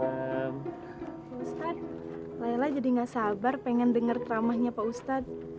layla jadi gak sabar pengen denger ceramahnya pak ustadz